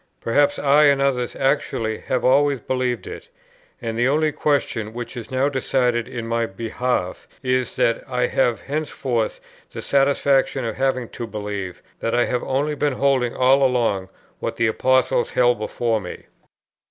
Perhaps I and others actually have always believed it, and the only question which is now decided in my behalf, is, that I have henceforth the satisfaction of having to believe, that I have only been holding all along what the Apostles held before me.